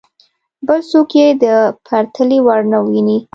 بل څوک یې د پرتلې وړ نه ویني.